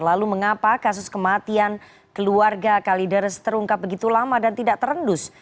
lalu mengapa kasus kematian keluarga kalideres terungkap begitu lama dan tidak terendus